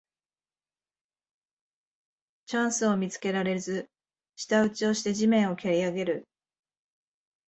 チャンスを見つけられず舌打ちをして地面をけりあげる